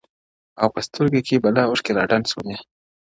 او په سترگو کې بلا اوښکي را ډنډ سوې،